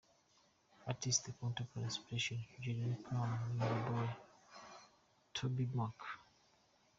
Artist, contemporary inspirational: Jeremy Camp, Newsboys, tobyMac.